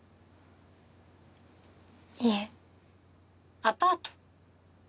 いえ☎アパート？